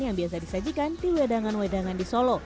yang biasa disajikan di wedangan wedangan di solo